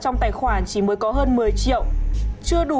trong khi là phụ thuộc vào cho em